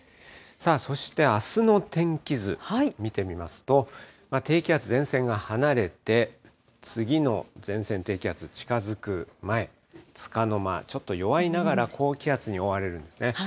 そして、あすの天気図、見てみますと、低気圧、前線が離れて、次の前線、低気圧近づく前、つかの間、ちょっと弱いながら、高気圧に覆われるんですね。